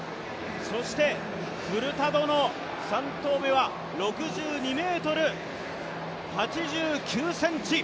そしてフルタドの３投目は６２ｍ８９ｃｍ。